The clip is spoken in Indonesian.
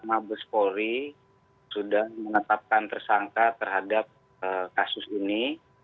mabes polri sudah menetapkan tersangka terhadap kasus ini